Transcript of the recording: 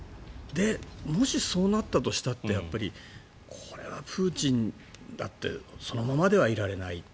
もし、そうなったとしたってこれはプーチンだってそのままではいられない。